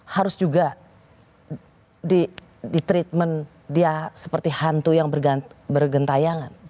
harus juga di treatment dia seperti hantu yang bergentayangan